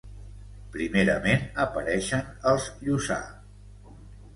Primerament apareixen els Lluçà.